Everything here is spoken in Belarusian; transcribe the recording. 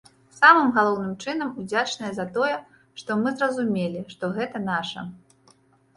Самым галоўным чынам, удзячныя за тое, што мы зразумелі, што гэта наша.